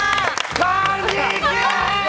こんにちはー！